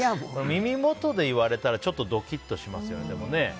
耳元で言われたらちょっとドキッとしますよね。